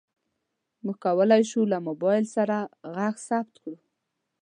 موږ کولی شو له موبایل سره غږ ثبت کړو.